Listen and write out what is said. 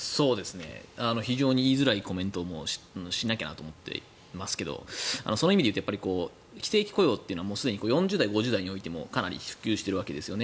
非常に言いづらいコメントをしなきゃなと思っていますがその意味でいうと非正規雇用というのはすでに４０代、５０代においてもかなり普及してるわけですよね。